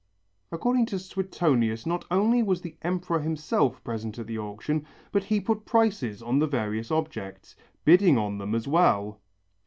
According to Suetonius not only was the Emperor himself present at the auction, but he put prices on the various objects, bidding on them as well.